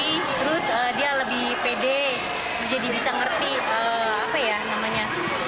terus dia lebih pede jadi bisa ngerti apa ya namanya